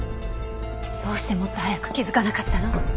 どうしてもっと早く気づかなかったの？